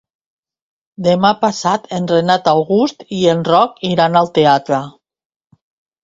Demà passat en Renat August i en Roc iran al teatre.